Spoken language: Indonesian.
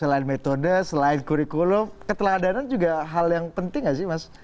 selain metode selain kurikulum keteladanan juga hal yang penting gak sih mas